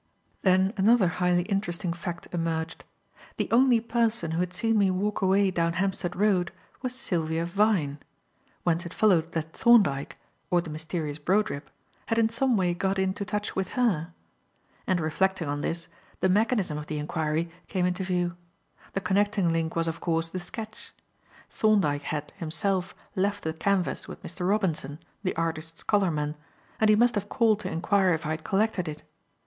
Then another highly interesting fact emerged. The only person who had seen me walk away down Hampstead Road was Sylvia Vyne; whence it followed that Thorndyke, or the mysterious Brodribb, had in some way got into touch with her. And reflecting on this, the mechanism of the enquiry came into view. The connecting link was, of course, the sketch. Thorndyke had, himself, left the canvas with Mr. Robinson, the artist's colourman, and he must have called to enquire if I had collected it.